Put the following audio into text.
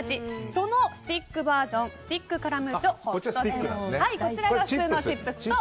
そのスティックバージョンスティックカラムーチョ。